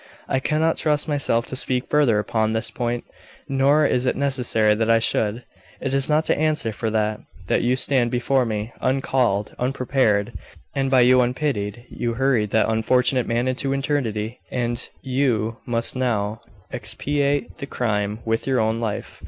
I cannot trust myself to speak further upon this point, nor is it necessary that I should; it is not to answer for that, that you stand before me. Uncalled, unprepared, and by you unpitied, you hurried that unfortunate man into eternity, and you must now expiate the crime with your own life.